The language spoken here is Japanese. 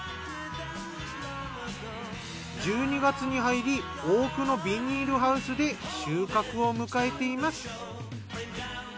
１２月に入り多くのビニールハウスで収穫を迎えています。